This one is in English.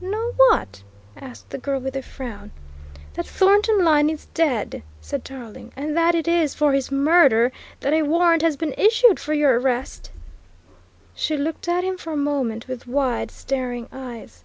"Know what?" asked the girl with a frown. "That Thornton Lyne is dead," said Tarling, "and that it is for his murder that a warrant has been issued for your arrest?" She looked at him for a moment with wide, staring eyes.